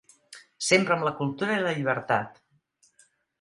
Sempre amb la cultura i la llibertat.